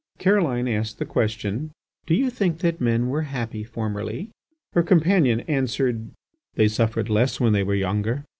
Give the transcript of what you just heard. Caroline asked the question: "Do you think that men were happy formerly?" Her companion answered: "They suffered less when they were younger.